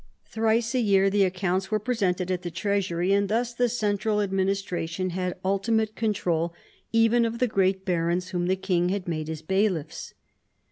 Thrice a year the accounts were presented at the treasury, and thus the central adminis tration had ultimate control even of the great barons whom the king had made his bailiffs.